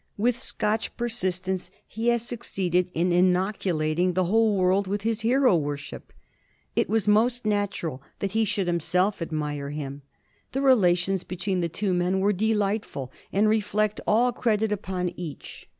With Scotch persistence he has succeeded in inoculating the whole world with his hero worship. It was most natural that he should himself admire him. The relations between the two men were delightful and reflect all credit upon each.